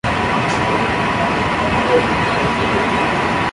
Dos veces intendente de San Francisco.